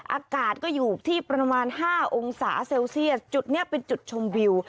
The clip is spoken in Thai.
อากาศก็อยู่ที่ประมาณ๕องศาเซลเซียสจุดนี้เป็นจุดชมวิว